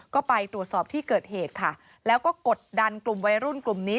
ก็ไปตรวจสอบที่เกิดเหตุค่ะแล้วก็กดดันกลุ่มวัยรุ่นกลุ่มนี้